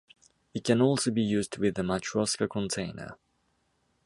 It can also be used with the Matroska container.